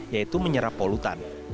yaitu menyerap polutan